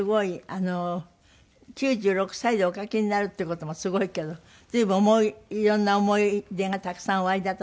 あの９６歳でお書きになるっていう事もすごいけど随分いろんな思い出がたくさんおありだった？